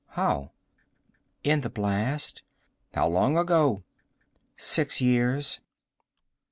"How?" "In the blast." "How long ago?" "Six years."